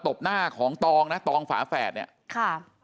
บหน้าของตองนะตองฝาแฝดเนี่ยค่ะ